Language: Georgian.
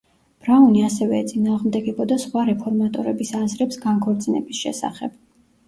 ბრაუნი ასევე ეწინააღმდეგებოდა სხვა რეფორმატორების აზრებს განქორწინების შესახებ.